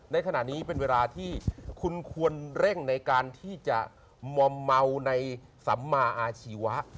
ในขณะนี้เป็นเวลาที่คุณควรเร่งในการที่จะมอมเมาในสัมมาอาชีวะ